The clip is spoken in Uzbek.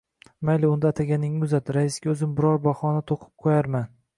Mayli, unda, ataganingni uzat, raisga o‘zim biror bahona to‘qib qo‘yarman